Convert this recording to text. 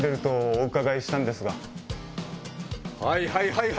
はいはいはい！